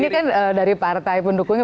ini kan dari partai pendukungnya